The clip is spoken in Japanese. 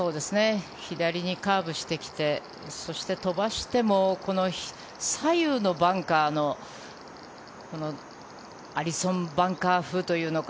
左にカーブしてきてそして飛ばしてもこの左右のバンカーのアリソンバンカー風というか